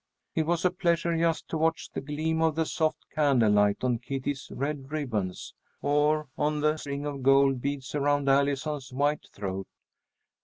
It was a pleasure just to watch the gleam of the soft candle light on Kitty's red ribbons, or on the string of gold beads around Allison's white throat.